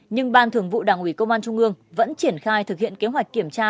nhưng ban thường vụ đảng ủy công an trung ương vẫn triển khai thực hiện kế hoạch kiểm tra